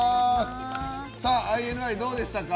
ＩＮＩ、どうでしたか？